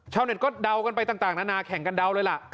เน็ตก็เดากันไปต่างนานาแข่งกันเดาเลยล่ะ